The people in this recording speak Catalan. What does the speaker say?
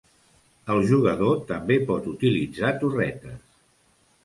El jugador també pot utilitzar torretes.